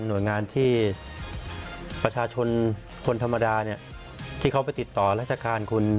หน่วยงานที่ประชาชนคนธรรมดาเนี่ยที่เขาไปติดต่อราชการคุณ